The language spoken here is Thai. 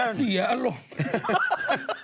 เสียอารมณ์